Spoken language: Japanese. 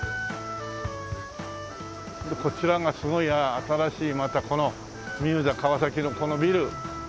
こちらがすごい新しいまたこのミューザ川崎のこのビル。